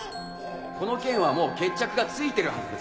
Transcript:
この件はもう決着がついてるはずです。